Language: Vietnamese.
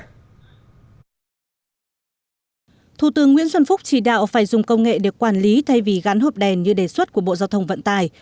thủ tướng nguyễn xuân phúc chỉ đạo phải dùng công nghệ để quản lý thay vì gắn hộp đèn như đề xuất của bộ giao thông vận tải